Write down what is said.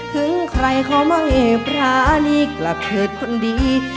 ถึงใครเขาไม่พระนี้กลับเถิดคนดี